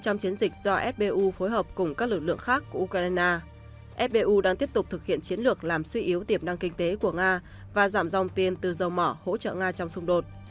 trong chiến dịch do fbu phối hợp cùng các lực lượng khác của ukraine fbu đang tiếp tục thực hiện chiến lược làm suy yếu tiệp năng kinh tế của nga và giảm dòng tiền từ dầu mỏ hỗ trợ nga trong xung đột